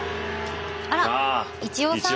あら一葉さん。